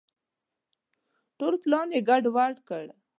ټول پلان یې ګډ وډ کړ.